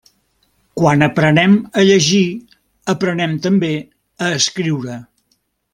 Quan aprenem a llegir, aprenem també a escriure.